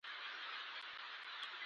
په خپلو تشو خبرو شنه او سره باغونه ښیې.